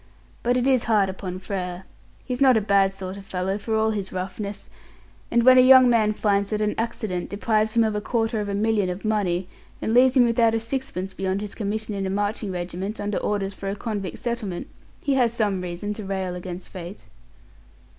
But it is hard upon Frere. He is not a bad sort of fellow for all his roughness, and when a young man finds that an accident deprives him of a quarter of a million of money and leaves him without a sixpence beyond his commission in a marching regiment under orders for a convict settlement, he has some reason to rail against fate."